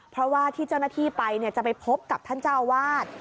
เพราะว่าที่เจ้าหน้าที่ไปจะไปพบกับท่านเจ้าอาวาส